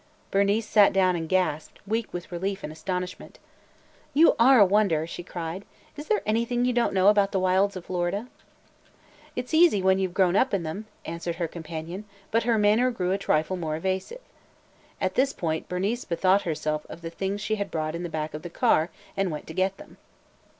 Bernice sat down and gasped, weak with relief and astonishment. "You are a wonder!" she cried. "Is there anything you don't know about the wilds of Florida?" "It 's easy when you 've grown up in them," answered her companion, but her manner grew a trifle more evasive. At this point Bernice bethought herself of the things she had brought in the back of the car and went to get them.